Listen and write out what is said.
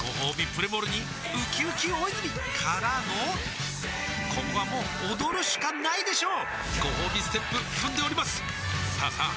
プレモルにうきうき大泉からのここはもう踊るしかないでしょうごほうびステップ踏んでおりますさあさあ